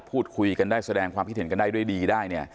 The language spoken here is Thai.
พูดคุยกันได้แสดงความคิดเห็นกันได้ด้วยดีได้เนี่ย